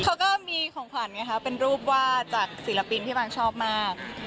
เขาก็มีของขวัญไงคะเป็นรูปวาดจากศิลปินที่บางชอบมาก